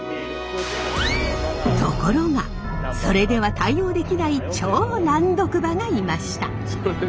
ところがそれでは対応できない超・難読馬がいました。